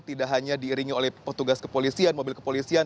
tidak hanya diiringi oleh petugas kepolisian mobil kepolisian